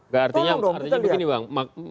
gak artinya begini bang